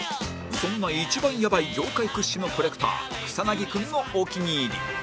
そんな一番やばい業界屈指のコレクター草君のお気に入り